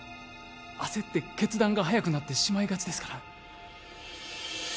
焦って決断が早くなってしまいがちですから